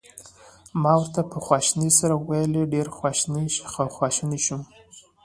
ما ورته په خواشینۍ سره وویل: ډېر خواشینی شوم.